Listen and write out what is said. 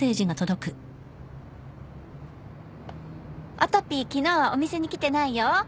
「音ぴー昨日はお店にきてないよ！」